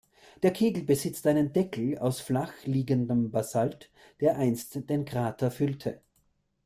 Der Kegel besitzt einen Deckel aus flach liegendem Basalt, der einst den Krater füllte.